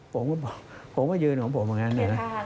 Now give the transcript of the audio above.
ผมก็ยืนของผมเหมือนกัน